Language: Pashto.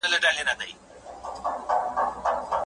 افغان هلکان د ډیموکراتیکي رایې ورکولو حق نه لري.